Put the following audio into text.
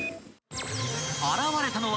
［現れたのは］